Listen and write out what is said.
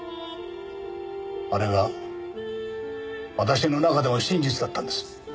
あれが私の中では真実だったんです。